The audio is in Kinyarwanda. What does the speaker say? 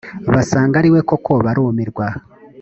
basanga ari we koko barumirwa